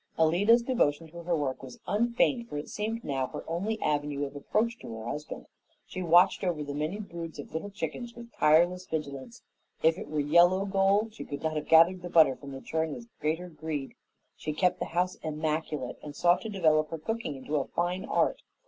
Alida's devotion to her work was unfeigned for it seemed now her only avenue of approach to her husband. She watched over the many broods of little chickens with tireless vigilance. If it were yellow gold, she could not have gathered the butter from the churn with greater greed. She kept the house immaculate and sought to develop her cooking into a fine art.